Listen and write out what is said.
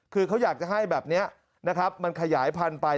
คือเขาอยากจะให้แบบนี้นะครับมันขยายพันธุ์ไป